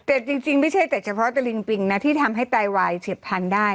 แต่จริงไม่ใช่แต่เฉพาะตะลิงปิงนะที่ทำให้ไตวายเฉียบพันธุ์ได้